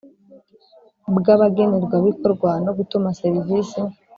bw abagenerwabikorwa no gutuma serivisi